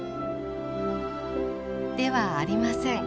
ではありません。